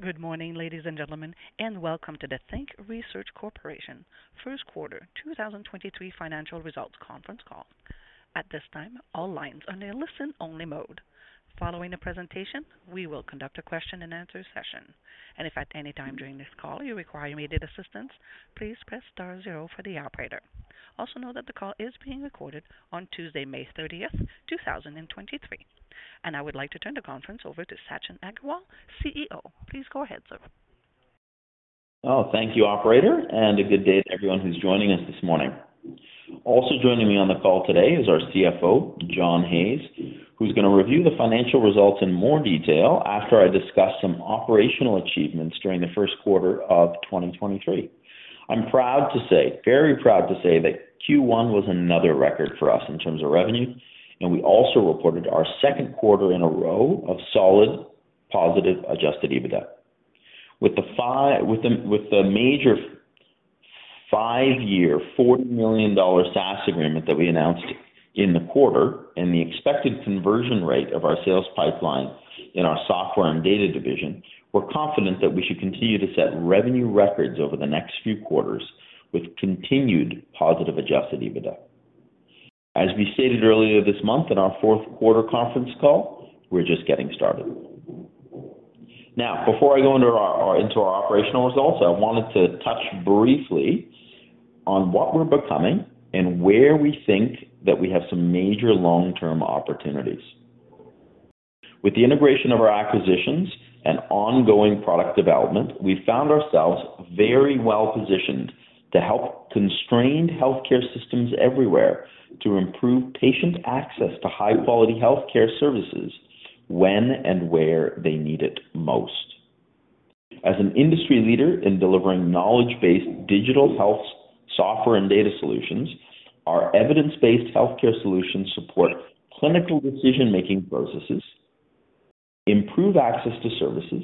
Good morning, ladies and gentlemen, and welcome to the Think Research Corporation First Quarter 2023 Financial Results Conference Call. At this time, all lines are in listen-only mode. Following the presentation, we will conduct a question and answer session, and if at any time during this call you require immediate assistance, please press star zero for the operator. Also, note that the call is being recorded on Tuesday, May 30th, 2023, and I would like to turn the conference over to Sachin Aggarwal, CEO. Please go ahead, sir. Oh, thank you, operator. A good day to everyone who's joining us this morning. Also joining me on the call today is our CFO, John Hayes, who's going to review the financial results in more detail after I discuss some operational achievements during the first quarter of 2023. I'm proud to say, very proud to say, that Q1 was another record for us in terms of revenue. We also reported our second quarter in a row of solid, positive, adjusted EBITDA. With the major five-year, 40 million dollar SaaS agreement that we announced in the quarter and the expected conversion rate of our sales pipeline in our software and data division, we're confident that we should continue to set revenue records over the next few quarters with continued positive adjusted EBITDA. As we stated earlier this month in our fourth quarter conference call, we're just getting started. Before I go into our operational results, I wanted to touch briefly on what we're becoming and where we think that we have some major long-term opportunities. With the integration of our acquisitions and ongoing product development, we found ourselves very well positioned to help constrained healthcare systems everywhere to improve patient access to high-quality healthcare services when and where they need it most. As an industry leader in delivering knowledge-based digital health software and data solutions, our evidence-based healthcare solutions support clinical decision-making processes, improve access to services,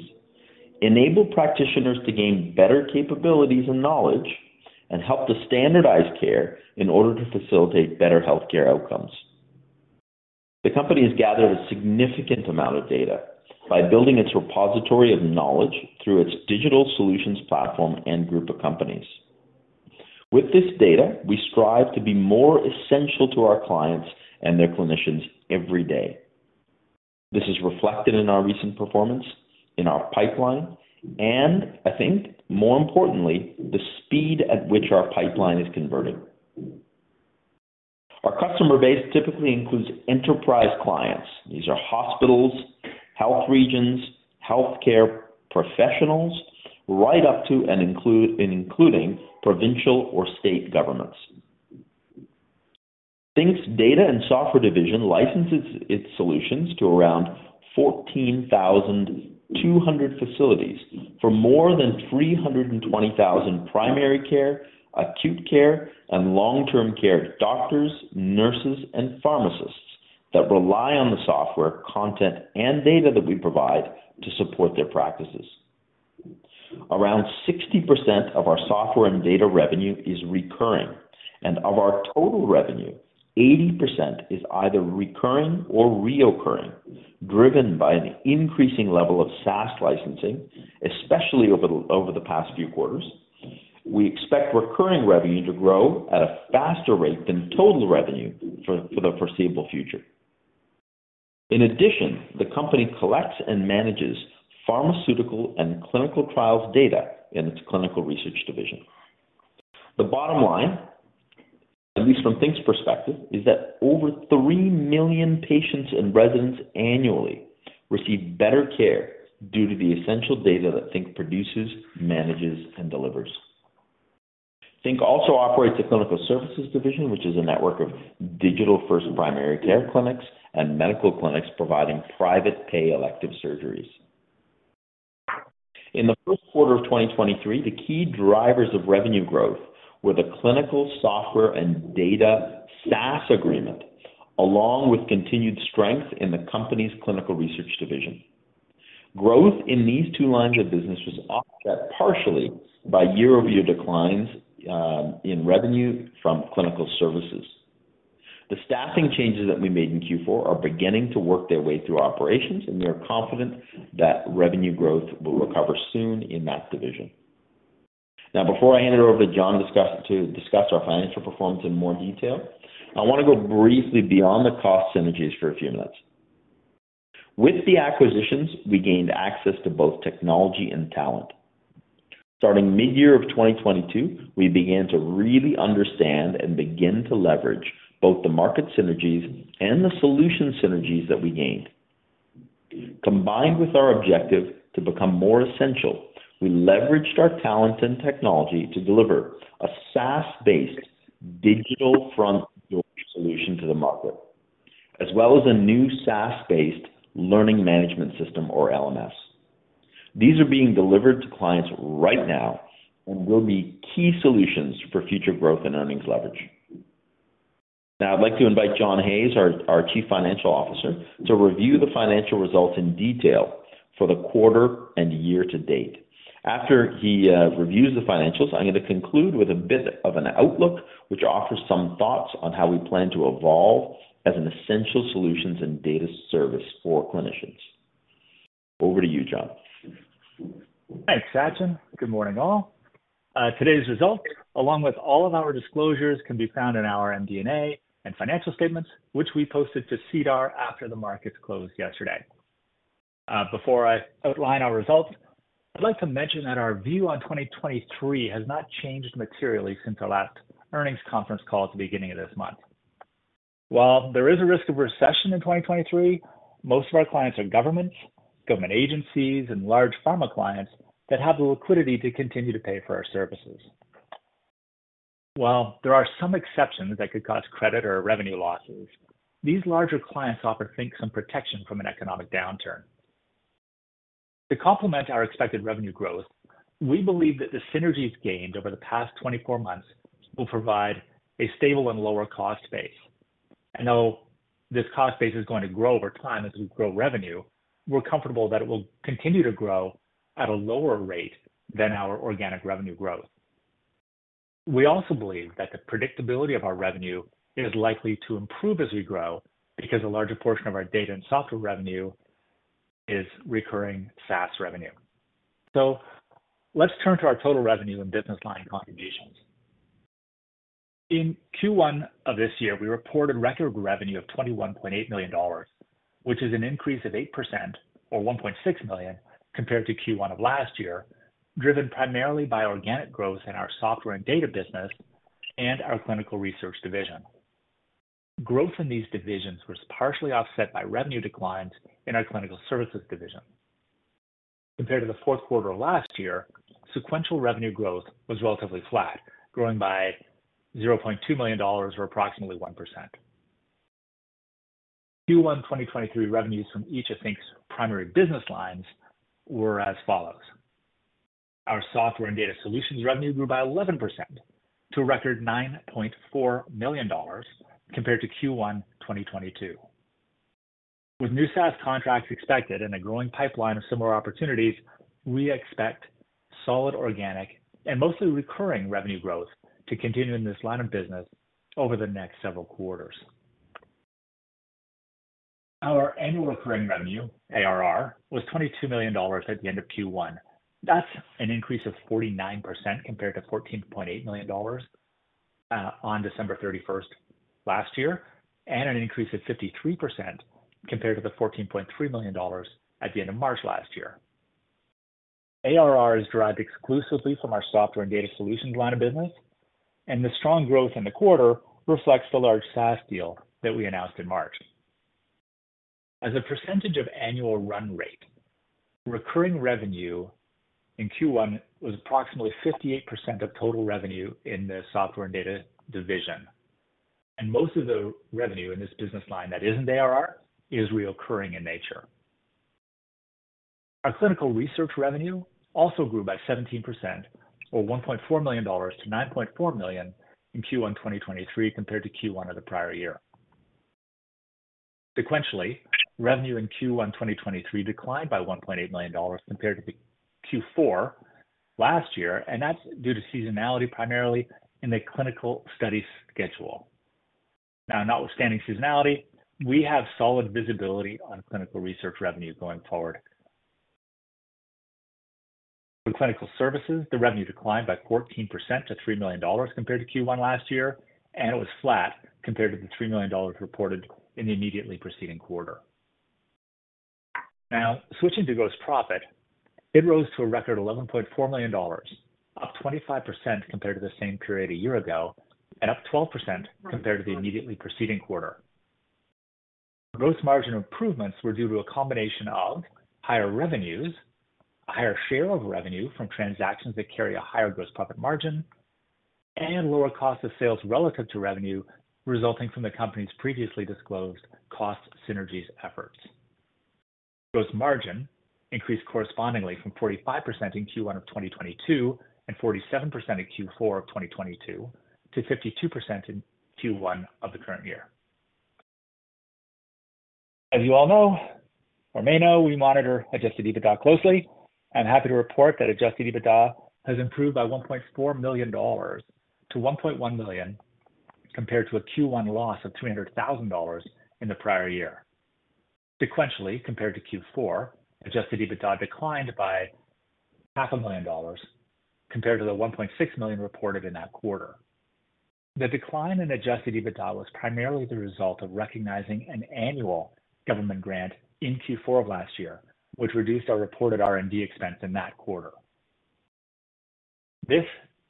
enable practitioners to gain better capabilities and knowledge, and help to standardize care in order to facilitate better healthcare outcomes. The company has gathered a significant amount of data by building its repository of knowledge through its digital solutions platform and group of companies. With this data, we strive to be more essential to our clients and their clinicians every day. This is reflected in our recent performance, in our pipeline, and I think more importantly, the speed at which our pipeline is converting. Our customer base typically includes enterprise clients. These are hospitals, health regions, healthcare professionals, right up to and including provincial or state governments. Think's data and software division licenses its solutions to around 14,200 facilities for more than 320,000 primary care, acute care, and long-term care doctors, nurses, and pharmacists that rely on the software, content, and data that we provide to support their practices. Around 60% of our software and data revenue is recurring, of our total revenue, 80% is either recurring or reoccurring, driven by an increasing level of SaaS licensing, especially over the past few quarters. We expect recurring revenue to grow at a faster rate than total revenue for the foreseeable future. The company collects and manages pharmaceutical and clinical trials data in its clinical research division. The bottom line, at least from Think's perspective, is that over 3 million patients and residents annually receive better care due to the essential data that Think produces, manages, and delivers. Think also operates a clinical services division, which is a network of digital-first primary care clinics and medical clinics providing private pay elective surgeries. In the first quarter of 2023, the key drivers of revenue growth were the clinical software and data SaaS agreement, along with continued strength in the company's clinical research division. Growth in these two lines of business was offset partially by year-over-year declines in revenue from clinical services. The staffing changes that we made in Q4 are beginning to work their way through operations, and we are confident that revenue growth will recover soon in that division. Before I hand it over to John, to discuss our financial performance in more detail, I want to go briefly beyond the cost synergies for a few minutes. With the acquisitions, we gained access to both technology and talent. Starting mid-year of 2022, we began to really understand and begin to leverage both the market synergies and the solution synergies that we gained. Combined with our objective to become more essential, we leveraged our talent and technology to deliver a SaaS-based Digital Front Door solution to the market, as well as a new SaaS-based learning management system, or LMS. These are being delivered to clients right now and will be key solutions for future growth and earnings leverage. I'd like to invite John Hayes, our Chief Financial Officer, to review the financial results in detail for the quarter and year to date. After he reviews the financials, I'm going to conclude with a bit of an outlook, which offers some thoughts on how we plan to evolve as an essential solutions and data service for clinicians. Over to you, John. Thanks, Sachin. Good morning, all. Today's results, along with all of our disclosures, can be found in our MD&A and financial statements, which we posted to SEDAR after the markets closed yesterday. Before I outline our results, I'd like to mention that our view on 2023 has not changed materially since our last earnings conference call at the beginning of this month. While there is a risk of recession in 2023, most of our clients are governments, government agencies, and large pharma clients that have the liquidity to continue to pay for our services. While there are some exceptions that could cause credit or revenue losses, these larger clients often think some protection from an economic downturn. To complement our expected revenue growth, we believe that the synergies gained over the past 24 months will provide a stable and lower cost base. I know this cost base is going to grow over time as we grow revenue. We're comfortable that it will continue to grow at a lower rate than our organic revenue growth. We also believe that the predictability of our revenue is likely to improve as we grow, because a larger portion of our data and software revenue is recurring SaaS revenue. Let's turn to our total revenue and business line contributions. In Q1 of this year, we reported record revenue of 21.8 million dollars, which is an increase of 8% or 1.6 million compared to Q1 of last year, driven primarily by organic growth in our software and data business and our clinical research division. Growth in these divisions was partially offset by revenue declines in our clinical services division. Compared to the fourth quarter of last year, sequential revenue growth was relatively flat, growing by 0.2 million dollars or approximately 1%. Q1 2023 revenues from each of Think's primary business lines were as follows: Our software and data solutions revenue grew by 11% to a record 9.4 million dollars compared to Q1 2022. With new SaaS contracts expected and a growing pipeline of similar opportunities, we expect solid, organic, and mostly recurring revenue growth to continue in this line of business over the next several quarters. Our annual recurring revenue, ARR, was 22 million dollars at the end of Q1. That's an increase of 49% compared to 14.8 million dollars on December 31st last year, and an increase of 53% compared to the 14.3 million dollars at the end of March last year. ARR is derived exclusively from our software and data solutions line of business, and the strong growth in the quarter reflects the large SaaS deal that we announced in March. As a percentage of annual run rate, recurring revenue in Q1 was approximately 58% of total revenue in the software and data division, and most of the revenue in this business line that isn't ARR is reoccurring in nature. Our clinical research revenue also grew by 17%, or 1.4 million dollars to 9.4 million in Q1 2023, compared to Q1 of the prior year. Sequentially, revenue in Q1 2023 declined by 1.8 million dollars compared to the Q4 last year, and that's due to seasonality, primarily in the clinical study schedule. Now, notwithstanding seasonality, we have solid visibility on clinical research revenues going forward. For clinical services, the revenue declined by 14% to 3 million dollars compared to Q1 last year, and it was flat compared to the 3 million dollars reported in the immediately preceding quarter. Switching to gross profit, it rose to a record 11.4 million dollars, up 25% compared to the same period a year ago, and up 12% compared to the immediately preceding quarter. Gross margin improvements were due to a combination of higher revenues, a higher share of revenue from transactions that carry a higher gross profit margin, and lower cost of sales relative to revenue, resulting from the company's previously disclosed cost synergies efforts. Gross margin increased correspondingly from 45% in Q1 of 2022 and 47% in Q4 of 2022 to 52% in Q1 of the current year. As you all know, or may know, we monitor adjusted EBITDA closely. I'm happy to report that adjusted EBITDA has improved by 1.4 million dollars to 1.1 million, compared to a Q1 loss of 300,000 dollars in the prior year. Sequentially, compared to Q4, adjusted EBITDA declined by half a million dollars compared to the 1.6 million reported in that quarter. The decline in adjusted EBITDA was primarily the result of recognizing an annual government grant in Q4 of last year, which reduced our reported R&D expense in that quarter.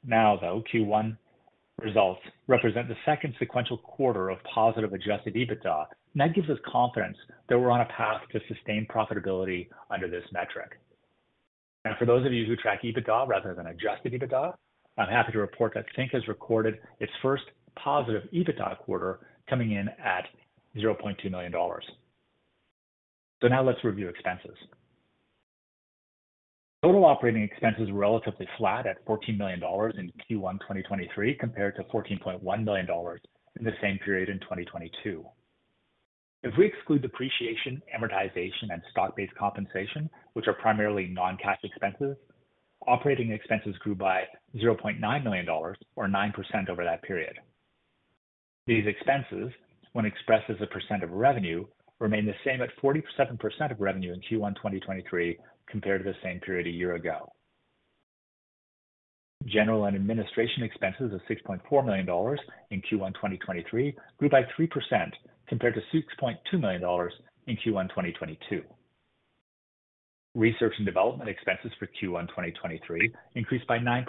Now, though, Q1 results represent the second sequential quarter of positive adjusted EBITDA, and that gives us confidence that we're on a path to sustain profitability under this metric. For those of you who track EBITDA rather than adjusted EBITDA, I'm happy to report that Think has recorded its first positive EBITDA quarter, coming in at 0.2 million dollars. Now let's review expenses. Total operating expenses were relatively flat at 14 million dollars in Q1, 2023, compared to 14.1 million dollars in the same period in 2022. If we exclude depreciation, amortization, and stock-based compensation, which are primarily non-cash expenses, operating expenses grew by 0.9 million dollars or 9% over that period. These expenses, when expressed as a % of revenue, remained the same at 47% of revenue in Q1, 2023, compared to the same period a year ago. General and administration expenses of 6.4 million dollars in Q1, 2023, grew by 3% compared to 6.2 million dollars in Q1, 2022. Research and development expenses for Q1 2023 increased by 9%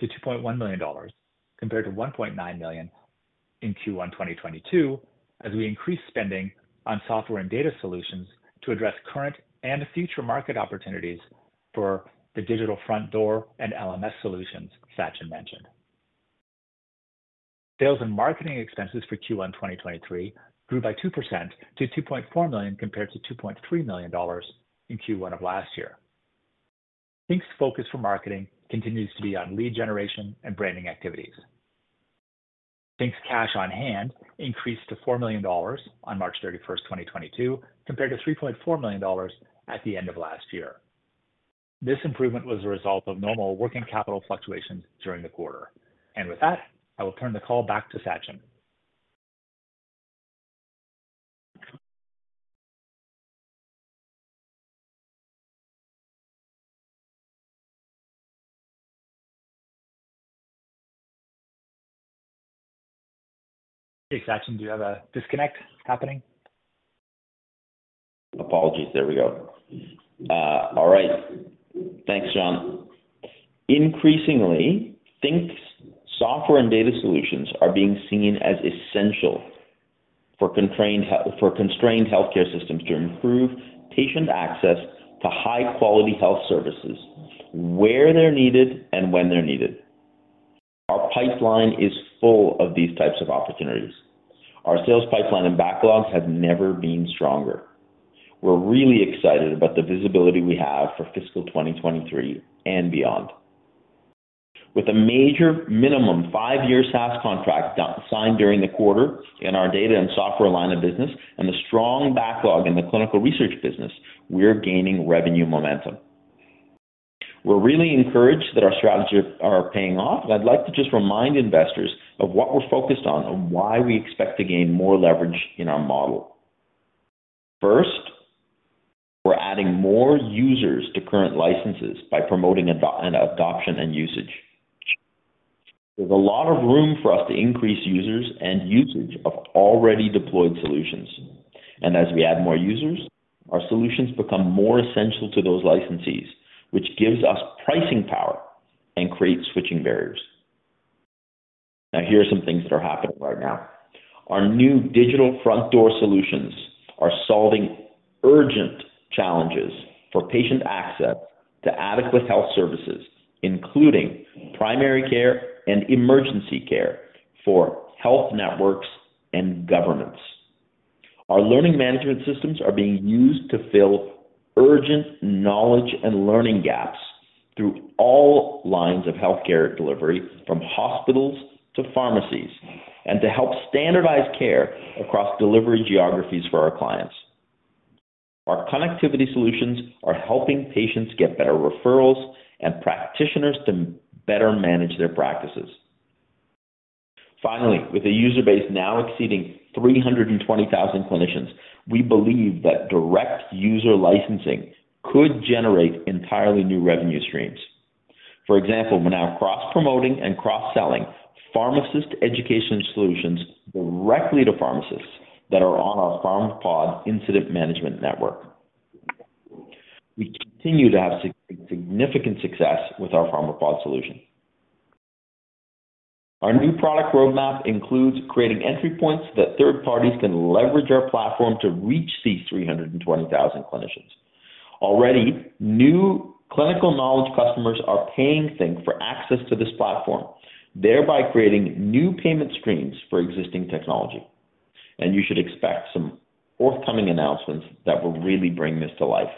to 2.1 million dollars, compared to 1.9 million in Q1 2022, as we increased spending on software and data solutions to address current and future market opportunities for the Digital Front Door and LMS solutions Sachin mentioned. Sales and marketing expenses for Q1 2023 grew by 2% to 2.4 million, compared to 2.3 million dollars in Q1 of last year. Think's focus for marketing continues to be on lead generation and branding activities. Think's cash on hand increased to 4 million dollars on March 31, 2022, compared to 3.4 million dollars at the end of last year. This improvement was a result of normal working capital fluctuations during the quarter. With that, I will turn the call back to Sachin. Hey, Sachin, do you have a disconnect happening? Apologies. There we go. All right. Thanks, John. Increasingly, Think's software and data solutions are being seen as essential for constrained healthcare systems to improve patient access to high-quality health services where they're needed and when they're needed. Our pipeline is full of these types of opportunities. Our sales pipeline and backlogs have never been stronger. We're really excited about the visibility we have for fiscal 2023 and beyond. With a major minimum 5-year SaaS contract signed during the quarter in our data and software line of business and a strong backlog in the clinical research business, we're gaining revenue momentum. We're really encouraged that our strategies are paying off. I'd like to just remind investors of what we're focused on and why we expect to gain more leverage in our model. First, we're adding more users to current licenses by promoting adoption and usage. There's a lot of room for us to increase users and usage of already deployed solutions. As we add more users, our solutions become more essential to those licensees, which gives us pricing power and creates switching barriers. Here are some things that are happening right now. Our new Digital Front Door solutions are solving urgent challenges for patient access to adequate health services, including primary care and emergency care for health networks and governments. Our learning management systems are being used to fill urgent knowledge and learning gaps through all lines of healthcare delivery, from hospitals to pharmacies, and to help standardize care across delivery geographies for our clients. Our connectivity solutions are helping patients get better referrals and practitioners to better manage their practices. Finally, with a user base now exceeding 320,000 clinicians, we believe that direct user licensing could generate entirely new revenue streams. For example, we're now cross-promoting and cross-selling pharmacist education solutions directly to pharmacists that are on our Pharmapod incident management network. We continue to have significant success with our Pharmapod solution. Our new product roadmap includes creating entry points that third parties can leverage our platform to reach these 320,000 clinicians. Already, new clinical knowledge customers are paying Think for access to this platform, thereby creating new payment streams for existing technology, you should expect some forthcoming announcements that will really bring this to life.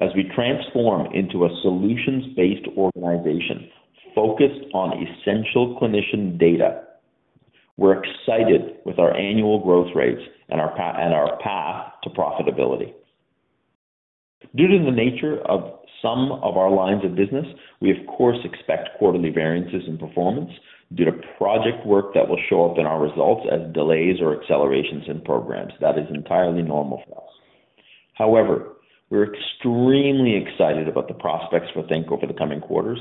As we transform into a solutions-based organization focused on essential clinician data, we're excited with our annual growth rates and our path to profitability. Due to the nature of some of our lines of business, we of course expect quarterly variances in performance due to project work that will show up in our results as delays or accelerations in programs. That is entirely normal for us. However, we're extremely excited about the prospects for Think over the coming quarters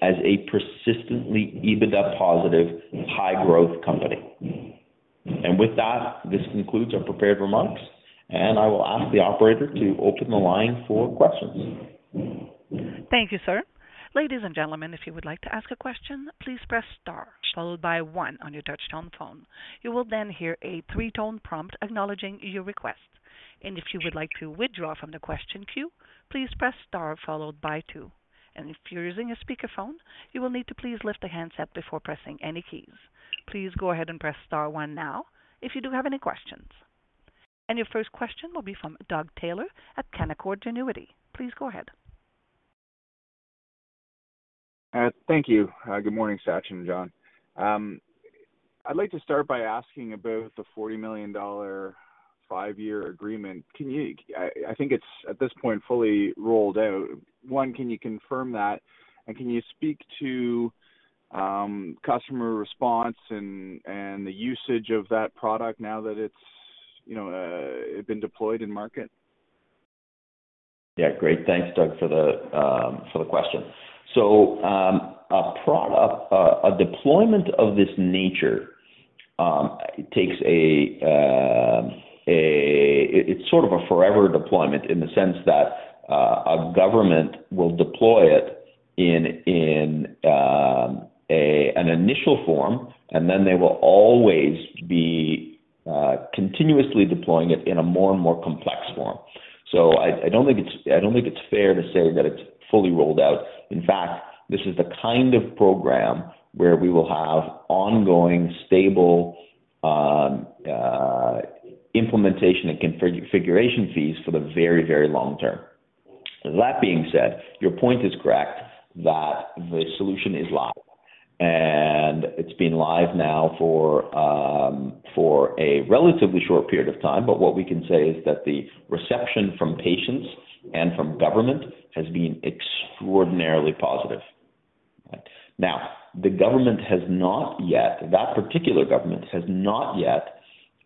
as a persistently EBITDA positive, high-growth company. With that, this concludes our prepared remarks, and I will ask the operator to open the line for questions. Thank you, sir. Ladies and gentlemen, if you would like to ask a question, please press star followed by one on your touchtone phone. You will then hear a three-tone prompt acknowledging your request. If you would like to withdraw from the question queue, please press star followed by two. If you're using a speakerphone, you will need to please lift the handset before pressing any keys. Please go ahead and press star one now if you do have any questions. Your first question will be from Doug Taylor at Canaccord Genuity. Please go ahead. Thank you. Good morning, Sachin, John. I'd like to start by asking about the 40 million dollar 5-year agreement. I think it's, at this point, fully rolled out. One, can you confirm that? Can you speak to customer response and the usage of that product now that it's, you know, been deployed in market? Yeah, great. Thanks, Doug, for the question. A deployment of this nature takes it's sort of a forever deployment in the sense that a government will deploy it in an initial form, and then they will always be continuously deploying it in a more and more complex form. I don't think it's fair to say that it's fully rolled out. In fact, this is the kind of program where we will have ongoing, stable, implementation and configuration fees for the very, very long term. That being said, your point is correct, that the solution is live, and it's been live now for a relatively short period of time, what we can say is that the reception from patients and from government has been extraordinarily positive. That particular government has not yet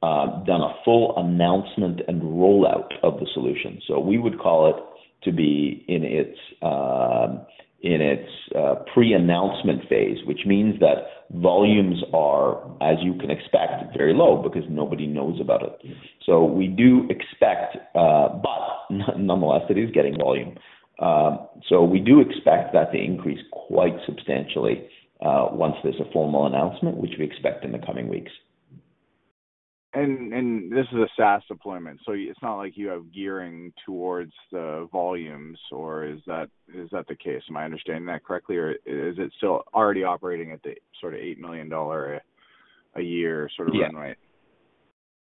done a full announcement and rollout of the solution, we would call it to be in its, in its, pre-announcement phase, which means that volumes are, as you can expect, very low because nobody knows about it. We do expect, but nonetheless, it is getting volume. We do expect that to increase quite substantially, once there's a formal announcement, which we expect in the coming weeks. This is a SaaS deployment, so it's not like you have gearing towards the volumes, or is that the case? Am I understanding that correctly, or is it still already operating at the sort of 8 million dollar a year sort of run rate?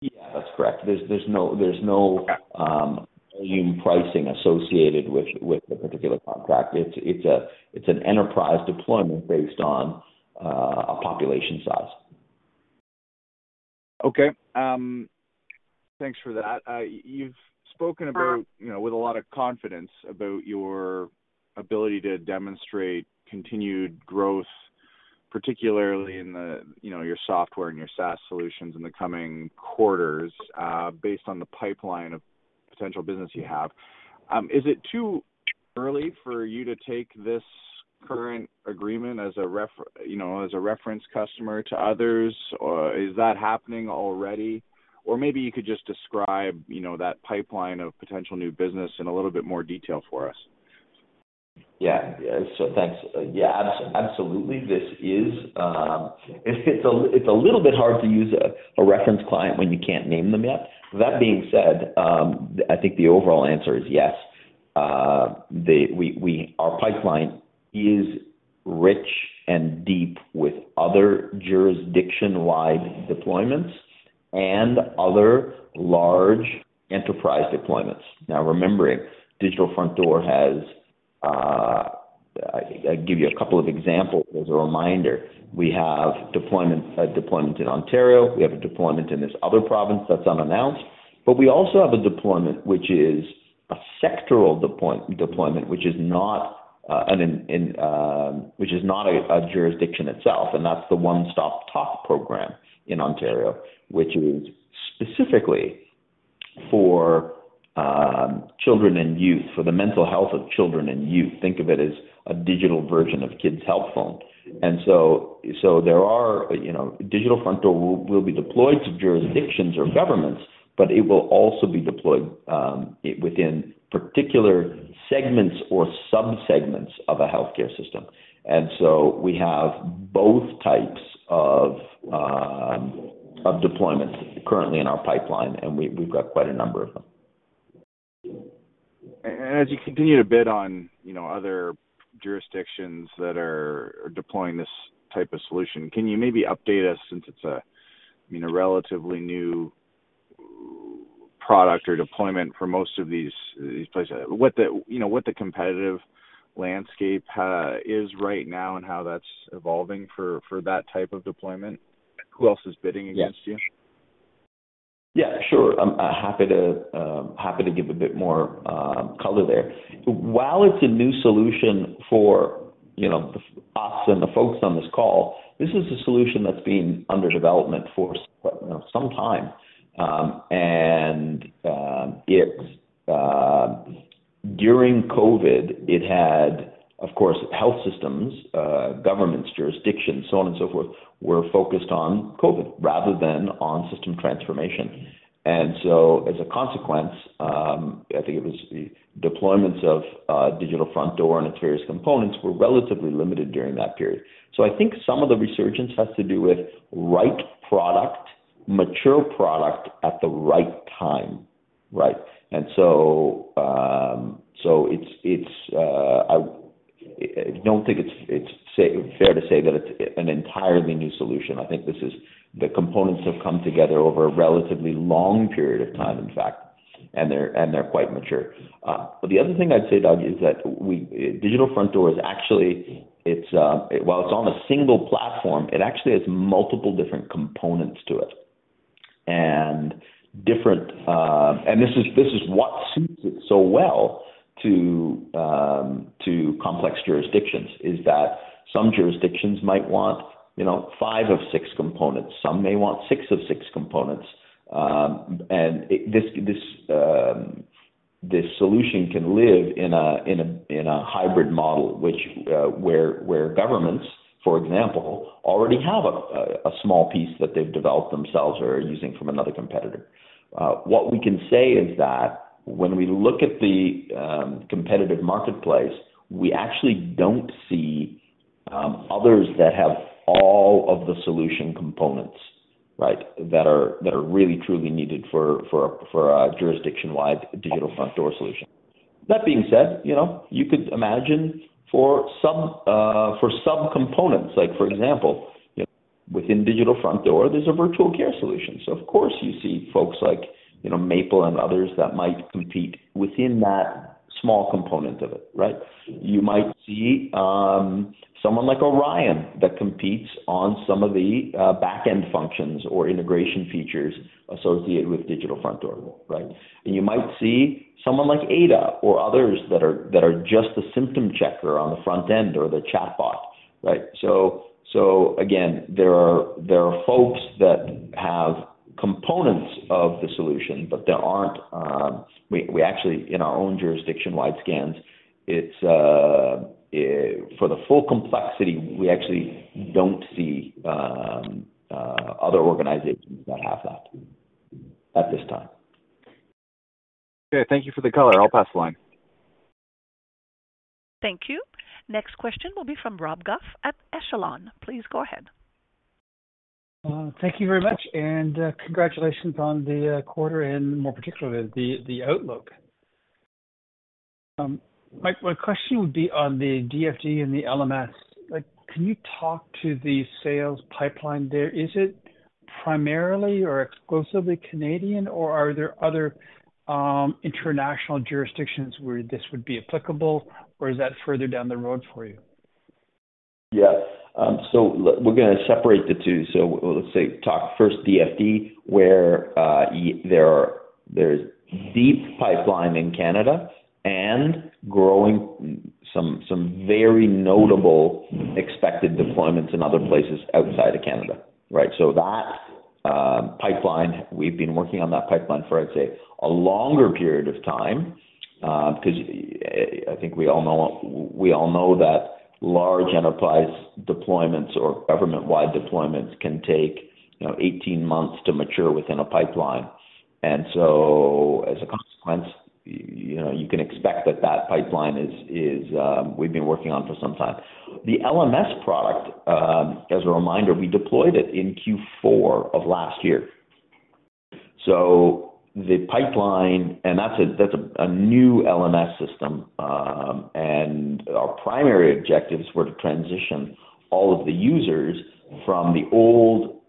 Yeah, that's correct. There's no volume pricing associated with the particular contract. It's an enterprise deployment based on a population size. Okay. Thanks for that. You've spoken about, you know, with a lot of confidence about your ability to demonstrate continued growth, particularly in the, you know, your software and your SaaS solutions in the coming quarters, based on the pipeline of potential business you have. Is it too early for you to take this current agreement as a, you know, as a reference customer to others, or is that happening already? Maybe you could just describe, you know, that pipeline of potential new business in a little bit more detail for us. Yeah, yeah. Thanks. Yeah, absolutely. This is, it's a little bit hard to use a reference client when you can't name them yet. That being said, I think the overall answer is yes. Our pipeline is rich and deep with other jurisdiction-wide deployments and other large enterprise deployments. Now, remembering, Digital Front Door has. I'll give you a couple of examples as a reminder. We have a deployment in Ontario, we have a deployment in this other province that's unannounced, but we also have a deployment which is a sectoral deployment, which is not, and in, which is not a jurisdiction itself, and that's the One Stop Shop program in Ontario, which is specifically for children and youth, for the mental health of children and youth. Think of it as a digital version of Kids Help Phone. There are, you know, Digital Front Door will be deployed to jurisdictions or governments, but it will also be deployed within particular segments or subsegments of a healthcare system. We have both types of deployments currently in our pipeline, and we've got quite a number of them. As you continue to bid on, you know, other jurisdictions that are deploying this type of solution, can you maybe update us since it's a, you know, relatively new product or deployment for most of these places? What the, you know, what the competitive landscape is right now and how that's evolving for that type of deployment? Who else is bidding against you? Yeah, sure. I'm happy to give a bit more color there. While it's a new solution for, you know, us and the folks on this call, this is a solution that's been under development for, you know, some time. During COVID, it had, of course, health systems, governments, jurisdictions, so on and so forth, were focused on COVID rather than on system transformation. As a consequence, I think it was the deployments of Digital Front Door and its various components were relatively limited during that period. I think some of the resurgence has to do with right product, mature product at the right time, right? It's I don't think it's say, fair to say that it's an entirely new solution. I think this is the components have come together over a relatively long period of time, in fact. They're quite mature. The other thing I'd say, Doug, is that Digital Front Door is actually, it's while it's on a single platform, it actually has multiple different components to it. Different, and this is what suits it so well to complex jurisdictions, is that some jurisdictions might want, you know, 5 of 6 components, some may want 6 of 6 components. This solution can live in a, in a, in a hybrid model, which where governments, for example, already have a small piece that they've developed themselves or are using from another competitor. What we can say is that when we look at the competitive marketplace, we actually don't see others that have all of the solution components, right? That are really truly needed for a jurisdiction-wide Digital Front Door solution. That being said, you know, you could imagine for some for some components, like, for example, within Digital Front Door, there's a virtual care solution. Of course, you see folks like, you know, Maple and others that might compete within that small component of it, right? You might see someone like Orion that competes on some of the back-end functions or integration features associated with Digital Front Door, right? You might see someone like Ada or others that are just a symptom checker on the front end or the chatbot, right? Again, there are folks that have components of the solution, but there aren't. We actually in our own jurisdiction-wide scans, it's for the full complexity, we actually don't see other organizations that have that at this time. Okay, thank you for the call. I'll pass the line. Thank you. Next question will be from Rob Goff at Echelon. Please go ahead. Thank you very much, and congratulations on the quarter and more particularly, the outlook. My question would be on the DFD and the LMS. Like, can you talk to the sales pipeline there? Is it primarily or exclusively Canadian, or are there other international jurisdictions where this would be applicable, or is that further down the road for you? Yeah. We're gonna separate the two. Let's say, talk first DFD, where, there's deep pipeline in Canada and growing some very notable expected deployments in other places outside of Canada, right? That pipeline, we've been working on that pipeline for, I'd say, a longer period of time, because, I think we all know that large enterprise deployments or government-wide deployments can take, you know, 18 months to mature within a pipeline. As a consequence, you know, you can expect that that pipeline is we've been working on for some time. The LMS product, as a reminder, we deployed it in Q4 of last year. The pipeline, and that's a new LMS system, and our primary objectives were to transition all of the users from the old,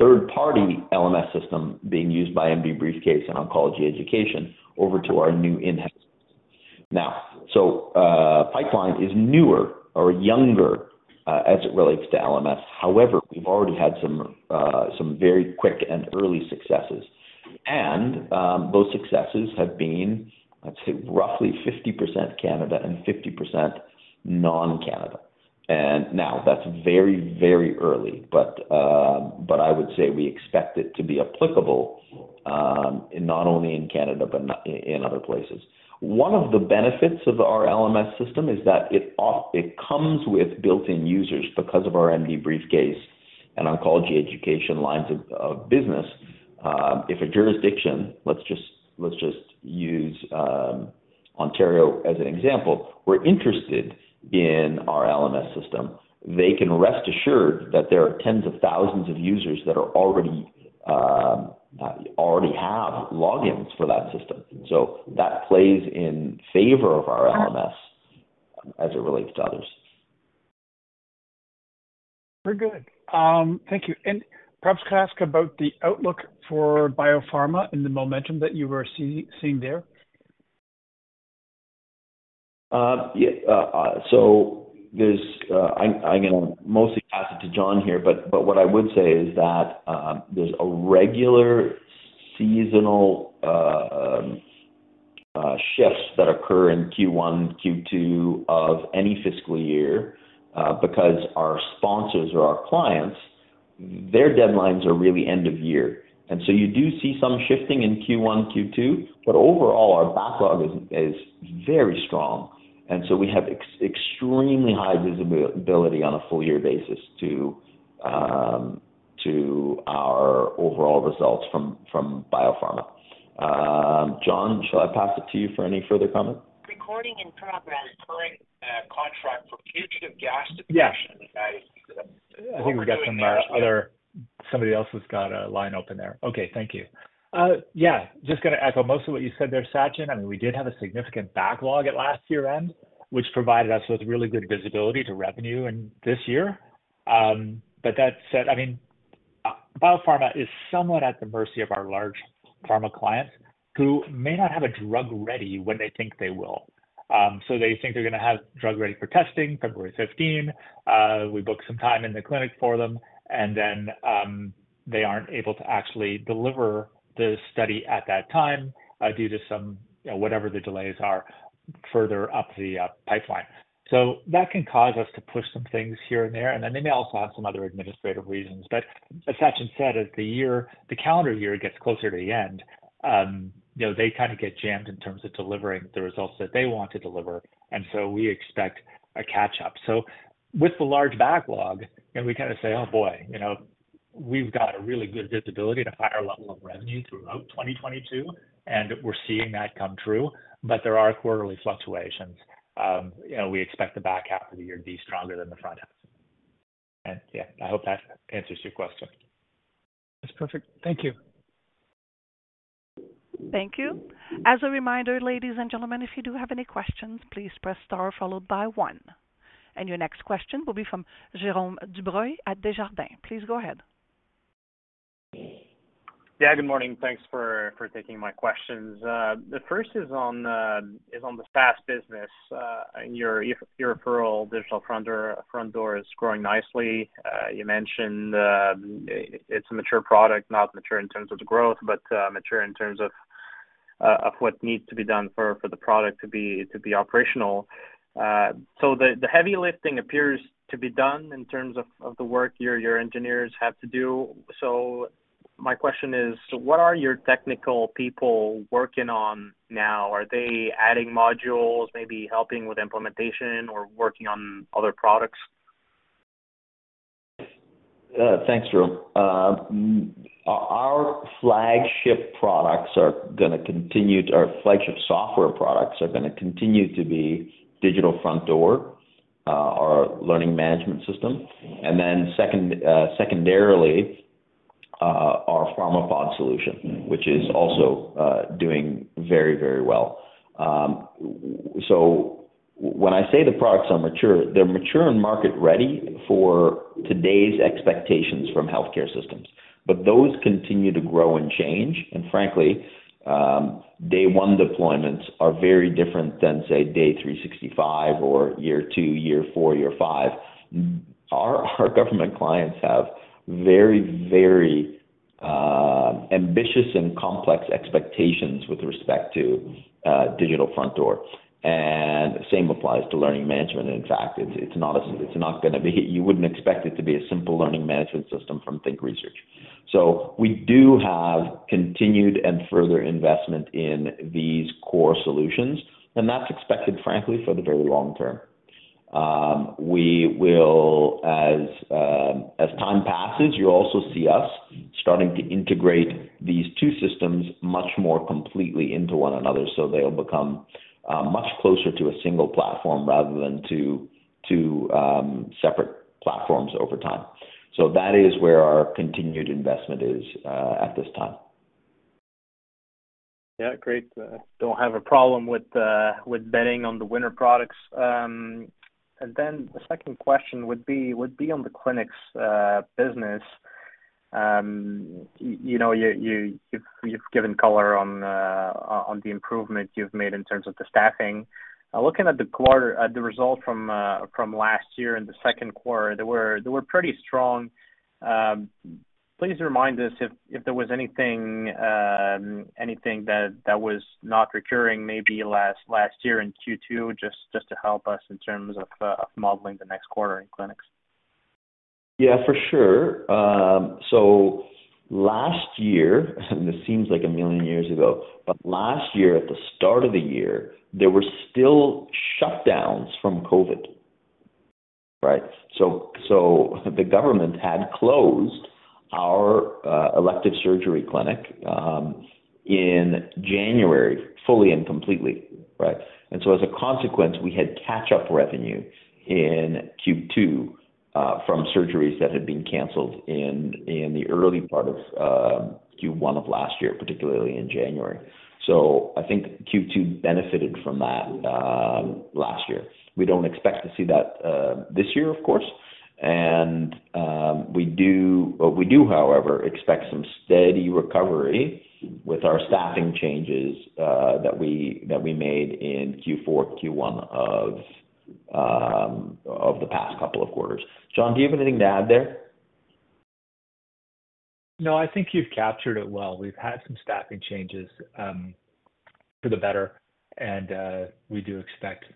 third-party LMS system being used by MDBriefCase and OncologyEducation over to our new in-house. Pipeline is newer or younger as it relates to LMS. However, we've already had some very quick and early successes, and those successes have been, let's say, roughly 50% Canada and 50% non-Canada. That's very, very early, but I would say we expect it to be applicable not only in Canada, but in other places. One of the benefits of our LMS system is that it comes with built-in users because of our MDBriefCase and OncologyEducation lines of business. If a jurisdiction, let's just use Ontario as an example, we're interested in our LMS system. They can rest assured that there are tens of thousands of users that are already already have logins for that system. That plays in favor of our LMS as it relates to others. Very good. Thank you. Perhaps can I ask about the outlook for biopharma and the momentum that you were seeing there? Yeah, so there's, I'm gonna mostly pass it to John here, but what I would say is that, there's a regular seasonal shifts that occur in Q1, Q2 of any fiscal year, because our sponsors or our clients, their deadlines are really end of year. You do see some shifting in Q1, Q2, but overall, our backlog is very strong, and so we have extremely high visibility on a full year basis to our overall results from biopharma. John, shall I pass it to you for any further comment? Recording in progress. Contract for fugitive gas detection. I think we're doing some. Somebody else has got a line open there. Okay, thank you. Yeah, just gonna echo most of what you said there, Sachin. I mean, we did have a significant backlog at last year-end, which provided us with really good visibility to revenue in this year. That said, I mean. Biopharma is somewhat at the mercy of our large pharma clients, who may not have a drug ready when they think they will. They think they're gonna have drug ready for testing February 15. We book some time in the clinic for them, and then, they aren't able to actually deliver the study at that time, due to some, you know, whatever the delays are further up the pipeline. That can cause us to push some things here and there, and then they may also have some other administrative reasons. As Sachin said, as the year, the calendar year gets closer to the end, you know, they kinda get jammed in terms of delivering the results that they want to deliver, and so we expect a catch-up. With the large backlog, and we kinda say, "Oh, boy, you know, we've got a really good visibility and a higher level of revenue throughout 2022," and we're seeing that come true. There are quarterly fluctuations. You know, we expect the back half of the year to be stronger than the front half. Yeah, I hope that answers your question. That's perfect. Thank you. Thank you. As a reminder, ladies and gentlemen, if you do have any questions, please press star followed by one. Your next question will be from Jerome Dubreuil at Desjardins. Please go ahead. Yeah, good morning. Thanks for taking my questions. The first is on the SaaS business. Your referral, Digital Front Door is growing nicely. You mentioned, it's a mature product, not mature in terms of the growth, but mature in terms of what needs to be done for the product to be operational. The heavy lifting appears to be done in terms of the work your engineers have to do. My question is, what are your technical people working on now? Are they adding modules, maybe helping with implementation or working on other products? Thanks, Jerome. Our flagship software products are gonna continue to be Digital Front Door, our learning management system, and then second, secondarily, our Pharmapod solution, which is also doing very, very well. When I say the products are mature, they're mature and market ready for today's expectations from healthcare systems. Those continue to grow and change, and frankly, day one deployments are very different than, say, day 365 or year two, year four, year five. Our government clients have very, very ambitious and complex expectations with respect to Digital Front Door, and the same applies to learning management. In fact, you wouldn't expect it to be a simple learning management system from Think Research. We do have continued and further investment in these core solutions, and that's expected, frankly, for the very long term. We will as time passes, you'll also see us starting to integrate these two systems much more completely into one another, so they'll become much closer to a single platform rather than two separate platforms over time. That is where our continued investment is at this time. Yeah, great. Don't have a problem with betting on the winner products. The second question would be on the clinics business. You know, you've given color on the improvement you've made in terms of the staffing. Looking at the result from last year in the second quarter, they were pretty strong. Please remind us if there was anything that was not recurring, maybe last year in Q2, just to help us in terms of modeling the next quarter in clinics? Yeah, for sure. Last year, and it seems like 1 million years ago, but last year, at the start of the year, there were still shutdowns from COVID. Right? The government had closed our elective surgery clinic in January, fully and completely, right? As a consequence, we had catch-up revenue in Q2 from surgeries that had been canceled in the early part of Q1 of last year, particularly in January. I think Q2 benefited from that last year. We don't expect to see that this year, of course. We do, however, expect some steady recovery with our staffing changes that we made in Q4, Q1 of the past couple of quarters. John, do you have anything to add there? No, I think you've captured it well. We've had some staffing changes, for the better, and we do expect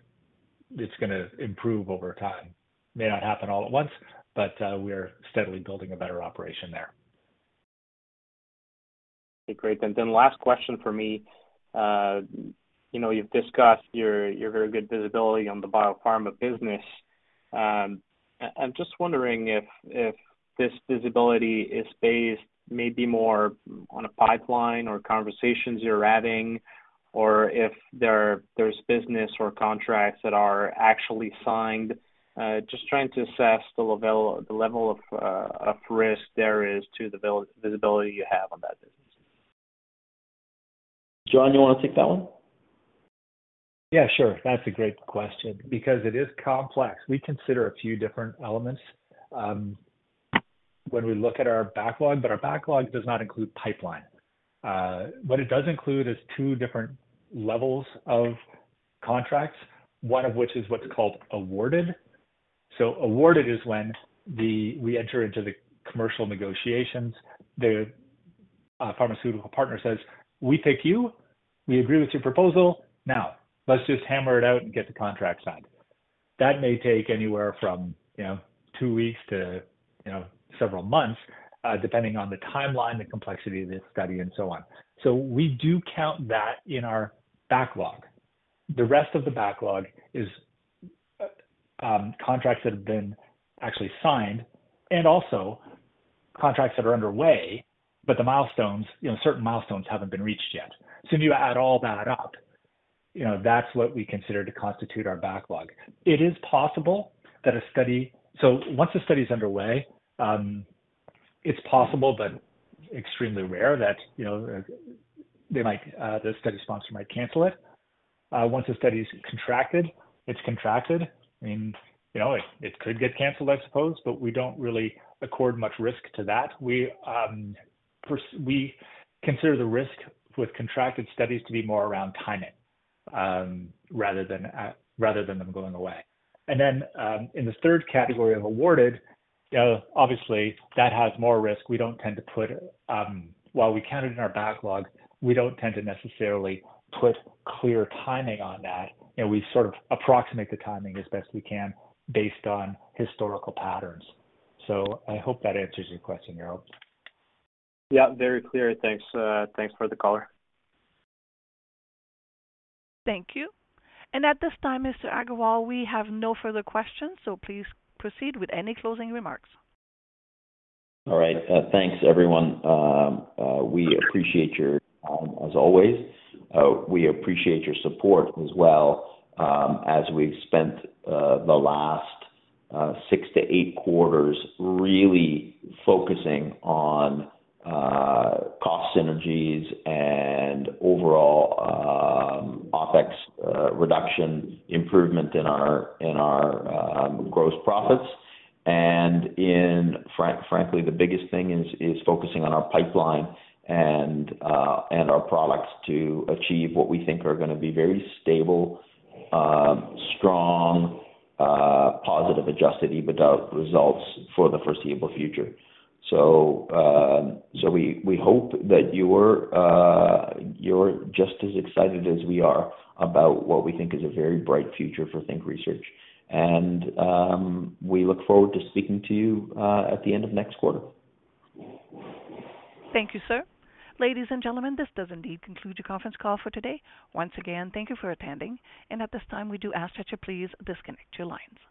it's gonna improve over time. May not happen all at once, but we're steadily building a better operation there. Okay, great. Last question for me. You know, you've discussed your very good visibility on the biopharma business. I'm just wondering if this visibility is based maybe more on a pipeline or conversations you're having, or if there's business or contracts that are actually signed. Just trying to assess the level of risk there is to the visibility you have on that business. John, you want to take that one? Yeah, sure. That's a great question, because it is complex. We consider a few different elements, when we look at our backlog, but our backlog does not include pipeline. What it does include is two different levels of contracts, one of which is what's called awarded. Awarded is when we enter into the commercial negotiations. The pharmaceutical partner says, "We pick you. We agree with your proposal. Now, let's just hammer it out and get the contract signed." That may take anywhere from, you know, two weeks to, you know, several months, depending on the timeline, the complexity of the study, and so on. We do count that in our backlog. The rest of the backlog is contracts that have been actually signed and also contracts that are underway, but the milestones, you know, certain milestones haven't been reached yet. If you add all that up, you know, that's what we consider to constitute our backlog. It is possible that a study. Once the study is underway, it's possible, but extremely rare that, you know, they might, the study sponsor might cancel it. Once the study is contracted, it's contracted, and, you know, it could get canceled, I suppose, but we don't really accord much risk to that. We consider the risk with contracted studies to be more around timing, rather than, rather than them going away. In this third category of awarded, obviously, that has more risk. We don't tend to put, while we count it in our backlog, we don't tend to necessarily put clear timing on that, and we sort of approximate the timing as best we can based on historical patterns. I hope that answers your question, Jerome. Yeah, very clear. Thanks, thanks for the call. Thank you. At this time, Mr. Aggarwal, we have no further questions, so please proceed with any closing remarks. All right. Thanks, everyone. We appreciate your time, as always. We appreciate your support as well, as we've spent the last 6 to 8 quarters really focusing on cost synergies and overall OpEx reduction, improvement in our gross profits. Frankly, the biggest thing is focusing on our pipeline and our products to achieve what we think are going to be very stable, strong, positive, adjusted EBITDA results for the foreseeable future. We hope that you're just as excited as we are about what we think is a very bright future for Think Research, and we look forward to speaking to you at the end of next quarter. Thank you, sir. Ladies and gentlemen, this does indeed conclude your conference call for today. Once again, thank you for attending, and at this time, we do ask that you please disconnect your lines.